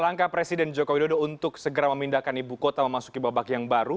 langkah presiden joko widodo untuk segera memindahkan ibu kota memasuki babak yang baru